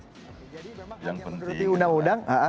jadi memang kami yang mengikuti undang undang